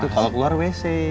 kalau keluar wc